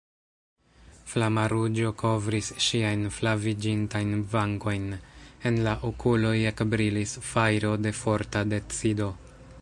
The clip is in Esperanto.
Flama ruĝo kovris ŝiajn flaviĝintajn vangojn, en la okuloj ekbrilis fajro de forta decido.